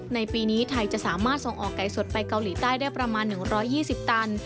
ในปีนี้ไทยจะสามารถส่งออกไก่สดไปเกาหลีใต้ได้ประมาณ๑๒๐ตัน